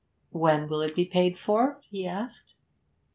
"When will it be paid for?" he asked.